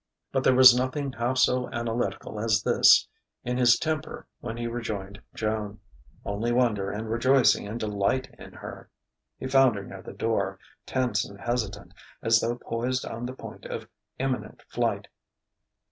But there was nothing half so analytical as this in his temper when he rejoined Joan: only wonder and rejoicing and delight in her. He found her near the door, tense and hesitant, as though poised on the point of imminent flight.